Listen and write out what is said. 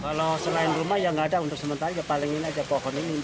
kalau selain rumah ya tidak ada untuk sementara paling ini saja pohon ini